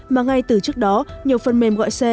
mà ngay từ trước đó nhiều phần mềm gọi xe